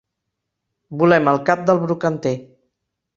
Volem el cap del brocanter.